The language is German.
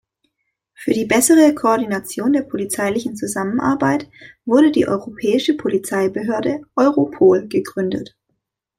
Für die bessere Koordination der polizeilichen Zusammenarbeit wurde die Europäische Polizeibehörde Europol gegründet.